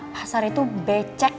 pasar itu becek